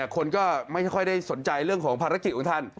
คนก็ไม่ค่อยได้สนใจเรื่องของภารกิจของท่าน